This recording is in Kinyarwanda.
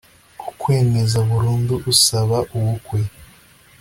kukwemeza burundu usaba ubukwe